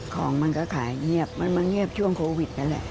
ของมันก็ขายเงียบมันมาเงียบช่วงโควิดนั่นแหละ